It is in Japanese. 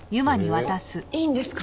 あっいいんですか？